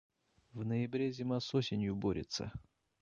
В ноябре зима с осенью борется.